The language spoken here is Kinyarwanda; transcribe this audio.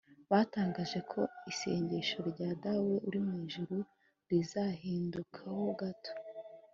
batangaje ko isengesho rya “Dawe uri mu ijuru” rizahindukaho gato